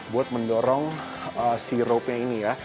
buat mendorong si rope nya ini ya